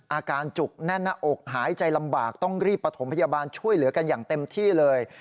จุกแน่นหน้าอกหายใจลำบากต้องรีบประถมพยาบาลช่วยเหลือกันอย่างเต็มที่เลย